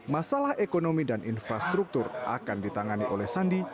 masalah ekonomi dan infrastruktur akan ditangani oleh sandi